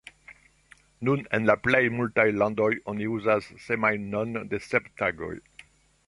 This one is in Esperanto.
Nun en la plej multaj landoj oni uzas semajnon de sep tagoj.